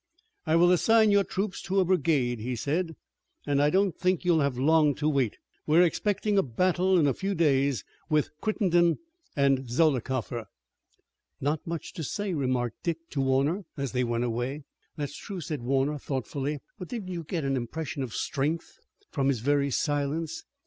"I will assign your troops to a brigade," he said, "and I don't think you'll have long to wait. We're expecting a battle in a few days with Crittenden and Zollicoffer." "Not much to say," remarked Dick to Warner, as they went away. "That's true," said Warner, thoughtfully, "but didn't you get an impression of strength from his very silence?